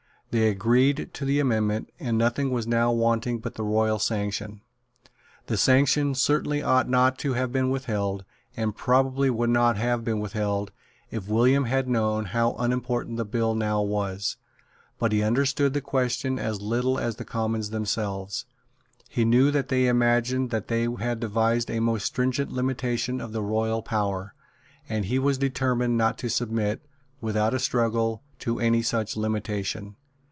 They agreed to the amendment; and nothing was now wanting but the royal sanction. That sanction certainly ought not to have been withheld, and probably would not have been withheld, if William had known how unimportant the bill now was. But he understood the question as little as the Commons themselves. He knew that they imagined that they had devised a most stringent limitation of the royal power; and he was determined not to submit, without a struggle, to any such limitation.